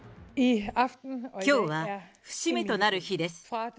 きょうは節目となる日です。